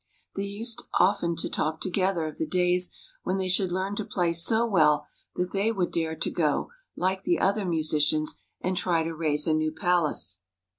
They used often to talk together of the days when they should learn to play so well that they would dare to go, like the other musicians, and try to raise a new palace.